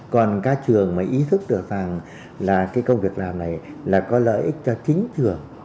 còn các trường mà ý thức được rằng là cái công việc làm này là có lợi ích cho chính trường